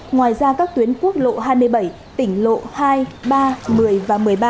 ngoài ra các tuyến quốc lộ hai mươi bảy tỉnh lộ hai ba một mươi và một mươi ba